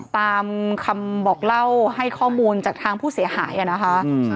ตามคำบอกเล่าให้ข้อมูลจากทางผู้เสียหายนะคะ